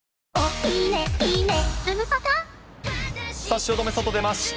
汐留、外出ました。